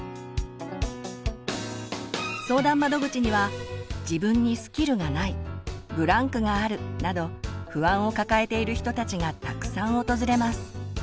相談窓口には「自分にスキルがない」「ブランクがある」など不安を抱えている人たちがたくさん訪れます。